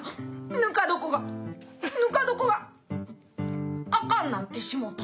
ぬか床がぬか床があかんなってしもうた。